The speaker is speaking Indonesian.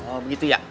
oh begitu ya